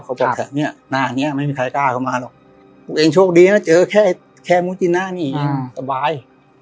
เขาบอกแค่เนี้ยหน้านี้ไม่มีใครกล้าเข้ามาหรอกตัวเองโชคดีนะเจอแค่แค่มุตินะนี่สบาย